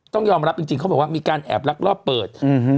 ต้องยอมรับจริงเขาบอกว่ามีการแอบลักลอบเปิด